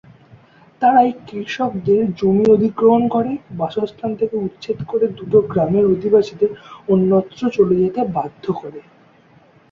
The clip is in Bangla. তারাই কৃষকদের জমি অধিগ্রহণ করে, বাসস্থান থেকে উচ্ছেদ করে দুটো গ্রামের অধিবাসীদের অন্যত্র চলে যেতে বাধ্য করে।